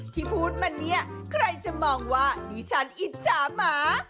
ที่พูดมาเนี่ยใครจะมองว่าดิฉันอิจฉาหมา